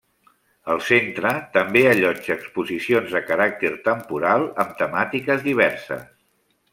El centre també allotja exposicions de caràcter temporal amb temàtiques diverses.